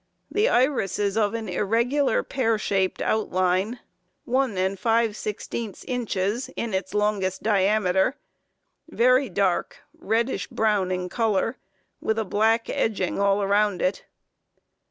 The iris is of an irregular pear shaped outline, 1 5/16 inches in its longest diameter, very dark, reddish brown in color, with a black edging all around it.